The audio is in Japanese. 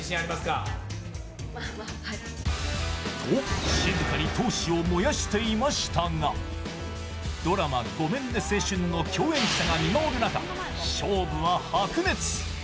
と静かに闘志を燃やしていましたがドラマ「ごめんね青春！」の共演者が見守る中、勝負は白熱。